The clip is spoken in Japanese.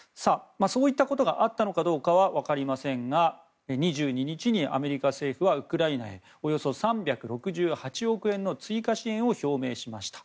そういったことがあったのかどうかは分かりませんが２２日にアメリカ政府はウクライナへおよそ３６８億円の追加支援を表明しました。